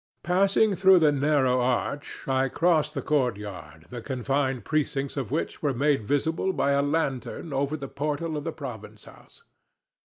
Passing through the narrow arch, I crossed the courtyard, the confined precincts of which were made visible by a lantern over the portal of the Province House.